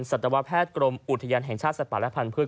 สัตวแพทย์กรมอุทยานแห่งชาติสัตว์ป่าและพันธุ์